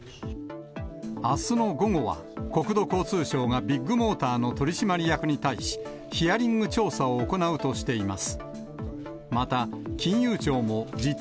あすの午後は、国土交通省がビッグモーターの取締役に対し、ヒアリング調査を行うとしています。